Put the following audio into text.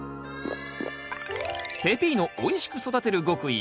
ペピーノおいしく育てる極意